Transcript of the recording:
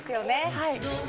はい。